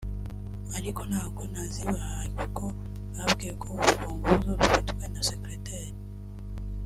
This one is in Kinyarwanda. ariko ntago nazibahaye kuko nababwiye ko urufunguzo rufitwe na secretaire